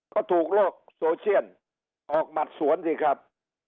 ก็ถูกโลกโซเชียลออกหมัดสวนสิครับ